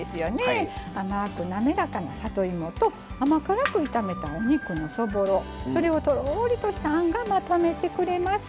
甘く滑らか里芋と甘辛く炒めたお肉のそぼろそれをとろりとしたあんがまとめてくれます。